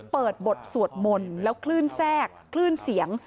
เปิดบทสวดมนต์แล้วคลื่นแทรกคลื่นเสียง